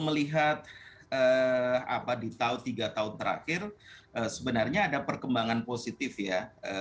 melihat apa di tahun tiga tahun terakhir sebenarnya ada perkembangan positif ya